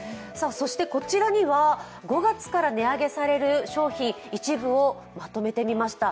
そしてこちらには５月から値上げされる商品、一部をまとめてみました。